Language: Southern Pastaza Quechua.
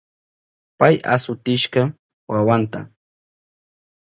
Pay asutishka wawanta.